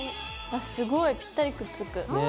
わっすごいぴったりくっつく。